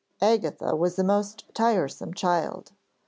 Agatha was a most tiresome child.